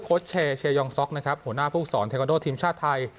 เชเชยองซ็อกนะครับหัวหน้าผู้ฝึกสอนเทคอนโดทีมชาติไทย